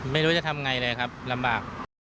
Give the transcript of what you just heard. ไม่รู้จะทำไงเลยครับลำบาก